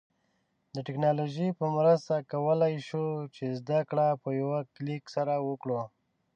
د ټیکنالوژی په مرسته کولای شو چې زده کړه په یوه کلیک سره وکړو